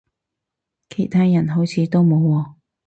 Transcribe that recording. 其他人好似都冇喎